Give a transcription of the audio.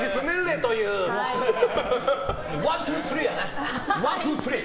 ワン、トゥー、スリーやな。